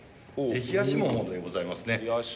冷やしモモでございますね。